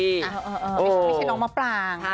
ไม่ใช่น้องมะปราง